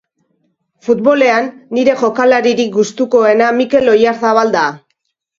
futbolean nire jokalarik gustukoena Mikel Oyarzabal da.